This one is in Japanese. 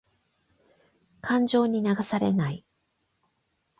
感情に流されない。